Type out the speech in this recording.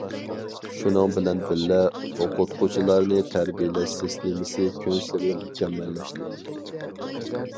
شۇنىڭ بىلەن بىللە، ئوقۇتقۇچىلارنى تەربىيەلەش سىستېمىسى كۈنسېرى مۇكەممەللەشتى.